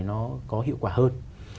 nó có hiệu quả hơn